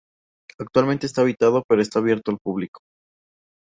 Actualmente está habitado pero está abierto al público.